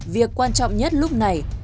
việc quan trọng nhất lúc này